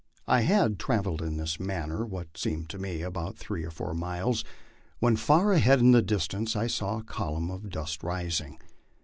I had travelled in this manner what seemed to me about three or four miles, when far ahead in the distance I saw a column of dust rising.